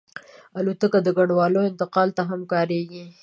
الوتکه د کډوالو انتقال ته هم کارېږي.